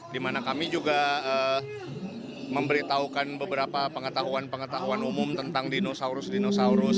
di mana kami juga memberitahukan beberapa pengetahuan pengetahuan umum tentang dinosaurus dinosaurus